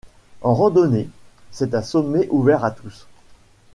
En randonnée, c'est un sommet ouvert à tous.